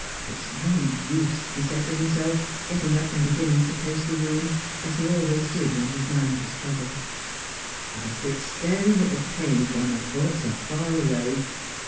It is no use,' he said to himself, getting up and beginning to pace the room, as he always did when his mind was troubled. • I sit staring at the page while my thoughts are far away.